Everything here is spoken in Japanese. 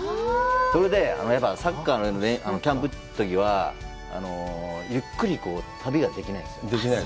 それでやっぱりサッカーのキャンプのときはゆっくりこう、旅ができないんですよ。